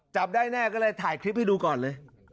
จับได้แน่ก็เลยถ่ายคลิปให้ดูก่อนเลย